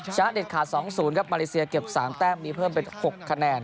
เด็ดขาด๒๐ครับมาเลเซียเก็บ๓แต้มมีเพิ่มเป็น๖คะแนน